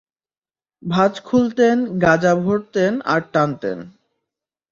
ভাঁজ খুলতেন, গাঁজা ভরতেন আর টানতেন।